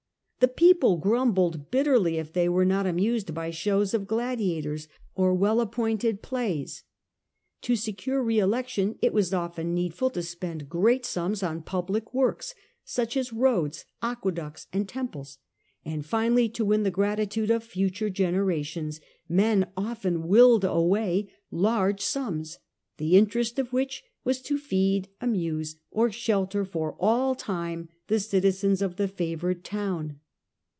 The people grumbled bitterly if they were not amused by shows of gladiators or well ap pointed plays. To secure re election it was often need ful to spend great sums on public works, such as roads, aqueducts, and temples ; and, finally, to win the grati tude of future generations men often willed away large sums, the interest of which was to feed, amuse, or shelter for all time the citizens of the favoured town.